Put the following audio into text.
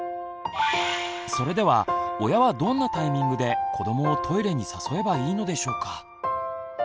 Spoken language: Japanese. それでは親はどんなタイミングで子どもをトイレに誘えばいいのでしょうか？